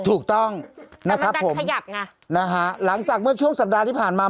ถูกต้องนะครับผมหลังจากเมื่อช่วงสัปดาห์ที่ผ่านมา